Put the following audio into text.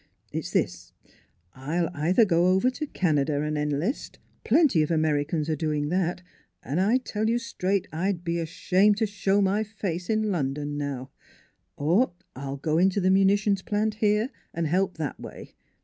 It's this: I'll either go over to Canada and enlist plenty of Americans are doing that, and I tell you straight I'd be ashamed to show my face in Lon don now or I'll go into the munitions plant here and help that way.